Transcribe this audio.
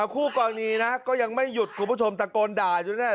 คู่กรณีนะก็ยังไม่หยุดคุณผู้ชมตะโกนด่าอยู่เนี่ย